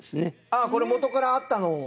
ああこれ元からあったのを。